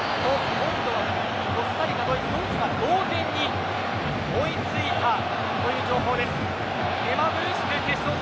今度はコスタリカ、ドイツドイツが同点に追いついたという情報です。